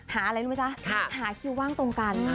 หาอะไรรู้มั้ยคะหาคิวว่างตรงกัน